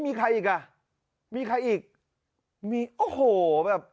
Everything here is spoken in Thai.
มีใครอีกอ่ะมีใครอีกมีโอ้โหแบบ